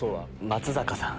松坂さん。